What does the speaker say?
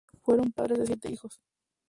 Fueron padres de siete hijos.